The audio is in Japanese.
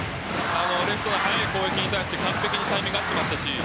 レフトの速い攻撃に対して完璧にタイミング合ってました。